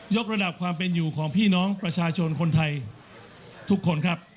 กระดับความเป็นอยู่ของพี่น้องประชาชนคนไทยทุกคนครับ